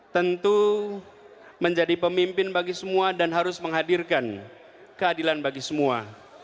tentu menjadi pemimpin bagi semua dan harus menghadirkan keadilan bagi semua